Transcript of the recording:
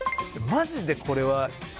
マジでこれは。